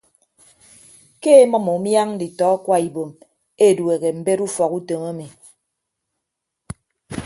Ke emʌm umiañ nditọ akwa ibom edueehe mbet ufọk utom emi.